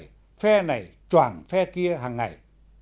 như năm xe bảy phê này choảng phê kia hàng ngày